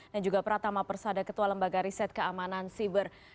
dan juga pratama persada ketua lembaga riset keamanan cyber